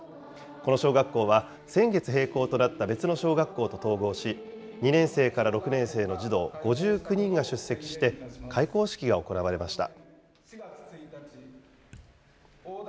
この小学校は、先月閉校となった別の小学校と統合し、２年生から６年生の児童５９人が出席して、開校式が行われました。